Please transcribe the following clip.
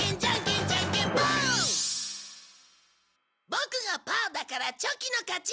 ボクがパーだからチョキの勝ち！